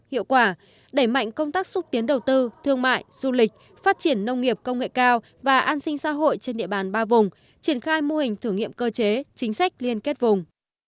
hiệu quả đẩy mạnh công tác xúc tiến đầu tư thương mại du lịch phát triển nông nghiệp công nghệ cao và an sinh xã hội trên địa bàn ba vùng triển khai mô hình thử nghiệm cơ chế chính sách liên kết vùng